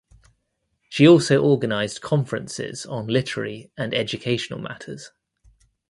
She also organised conferences on literary and educational matters.